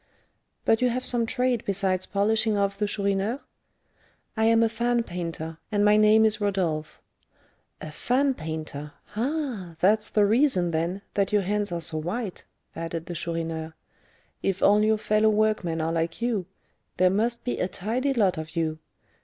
But you have some trade besides 'polishing off' the Chourineur?" "I am a fan painter, and my name is Rodolph." "A fan painter! Ah! that's the reason, then, that your hands are so white," added the Chourineur. "If all your fellow workmen are like you, there must be a tidy lot of you.